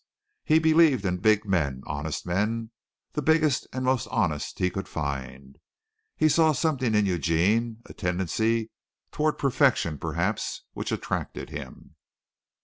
He believed in big men, honest men the biggest and most honest he could find. He saw something in Eugene, a tendency toward perfection perhaps which attracted him.